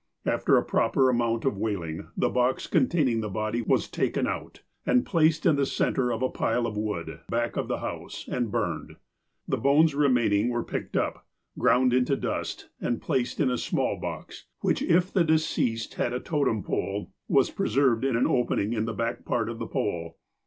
After a proper amount of wailing, the box containing the body was taken out and placed in the centre of a pile of wood, back of the house, and burned. The bones re maining were picked up, ground into dust, and placed in a small box, which, if the deceased had a totem pole, was preserved in an opening in the back jjart of the pole.